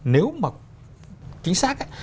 nếu mà chính xác ấy